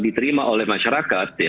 diterima oleh masyarakat